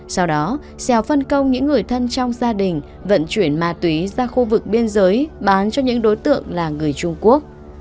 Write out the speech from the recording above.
sau đó xèo phân công những người thân trong gia đình vận chuyển ma túy ra khu vực biên giới bán cho những đối tượng là người trung quốc